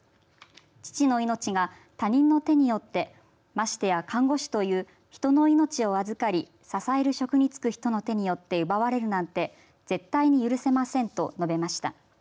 父の命が他人の手によってましてや看護師という人の命を預かり支える職に就く人の手によって奪われるなんて絶対に許せませんと述べました。